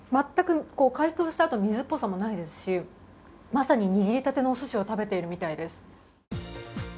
全く解凍したあとの水っぽさもないですしまさに握りたてのおすしを食べているみたいです。